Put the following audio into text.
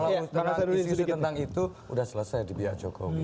kalau isu isu tentang itu udah selesai di biar jokowi